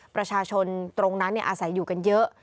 ประชาชนตรงนั้นอาศัยอยู่กันเยอะ